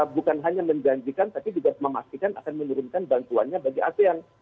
bukan hanya menjanjikan tapi juga memastikan akan menurunkan bantuannya bagi asean